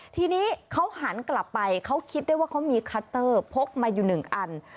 ทีนี้เขาหันกลับไปเขาคิดได้ว่าเขามีคัตเตอร์พกมาอยู่หนึ่งอัน